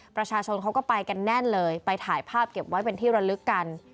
ประชาชนเขาก็ไปกันแน่นเลยไปถ่ายภาพเก็บไว้เป็นที่ระลึกกัน